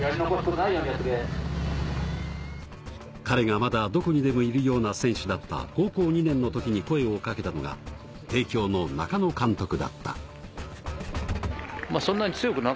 彼がまだどこにでもいるような選手だった高校２年の時に声を掛けたのが帝京の中野監督だった。